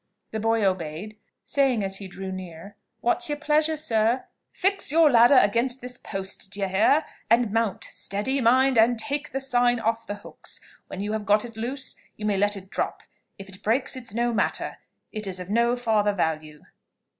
The boy obeyed, saying, as he drew near, "What's your pleasure, sir?" "Fix your ladder against this post, d'ye hear? and mount steady, mind, and take the sign off the hooks. When you have got it loose, you may let it drop. If it breaks, it's no matter, it is of no farther value."